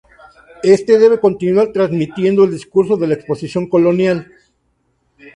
Éste debe continuar transmitiendo el discurso de la Exposición Colonial.